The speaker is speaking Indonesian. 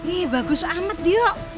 ih bagus amat dio